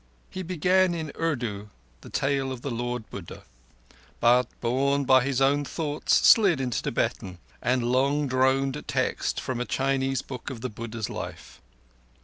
He began in Urdu the tale of the Lord Buddha, but, borne by his own thoughts, slid into Tibetan and long droned texts from a Chinese book of the Buddha's life.